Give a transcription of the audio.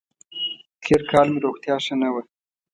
تېر کال مې روغتیا ښه نه وه